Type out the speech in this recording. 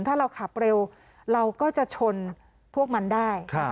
ถ้าเราขับเร็วเราก็จะชนพวกมันได้